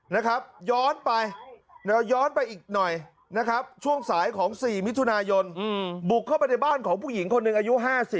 นะครับย้อนไปย้อนไปอีกหน่อยนะครับช่วงสายของ๔มิถุนายนบุกเข้าไปในบ้านของผู้หญิงคนหนึ่งอายุ๕๐